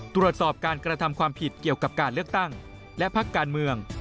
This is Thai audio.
ตรวจสอบการกระทำความผิดเกี่ยวกับการเลือกตั้งและพักการเมือง